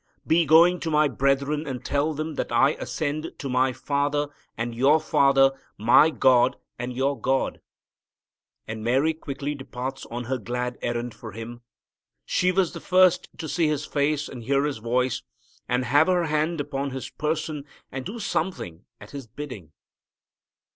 Be going to my brethren and tell them I ascend to My Father and your Father, My God and your God." And Mary quickly departs on her glad errand for Him. She was the first to see His face and hear His voice, and have her hand upon His person, and do something at His bidding.